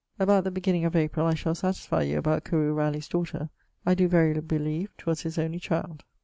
About the beginning of April I shall satisfy you about Carew Ralegh's daughter I doe verily believe 'twas his only child.